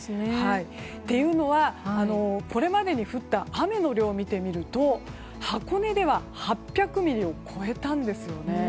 というのは、これまでに降った雨の量を見てみると箱根では８００ミリを超えたんですね。